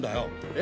え？